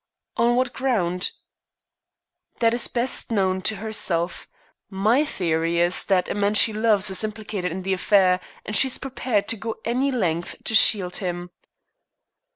"On what ground?" "That is best known to herself. My theory is that a man she loves is implicated in the affair, and she is prepared to go to any lengths to shield him."